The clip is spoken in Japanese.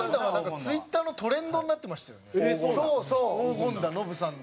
山内：大権田、ノブさんの。